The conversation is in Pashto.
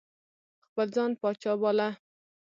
خپل ځان پاچا باله.